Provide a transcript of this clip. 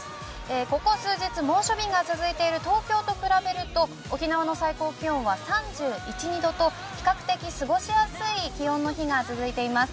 ここ数日、猛暑日が続いている東京と比べると沖縄の最高気温は３１３２度と比較的過ごしやすい気温の日が続いています。